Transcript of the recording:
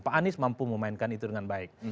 pak anies mampu memainkan itu dengan baik